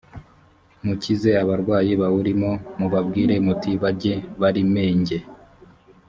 mukize abarwayi bawurimo mubabwire muti bajye barimenjye